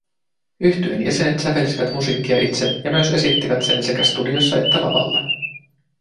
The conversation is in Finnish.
Yhtyeen jäsenet sävelsivät musiikkia itse ja myös esittivät sen sekä studiossa että lavalla